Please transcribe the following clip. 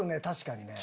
確かに。